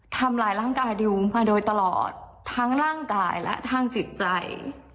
ทำร้ายร่างกายดิวมาโดยตลอดทั้งร่างกายและทางจิตใจ